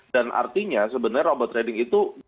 dan artinya sebenarnya robot trading itu